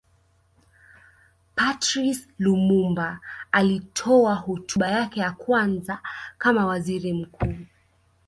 Patrice Lumumba alitoa hotuba yake ya kwanza kama Waziri mkuu